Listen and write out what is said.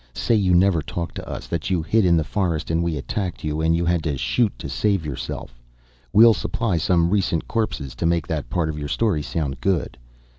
Say you never talked to us, that you hid in the forest and we attacked you and you had to shoot to save yourself. We'll supply some recent corpses to make that part of your story sound good.